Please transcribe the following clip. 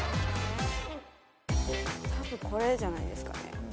多分これじゃないですかね